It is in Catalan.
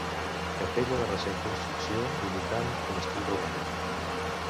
Capella de recent construcció, imitant un estil romànic.